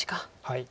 はい。